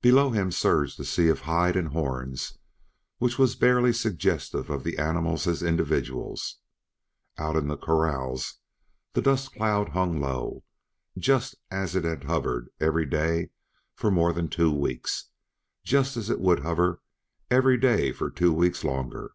Below him surged the sea of hide and horns which was barely suggestive of the animals as individuals. Out in the corrals the dust cloud hung low, just as it had hovered every day for more than two weeks; just as it would hover every day for two weeks longer.